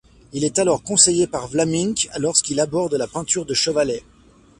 Il est ensuite conseillé par Vlaminck lorsqu'il aborde la peinture de chevalet.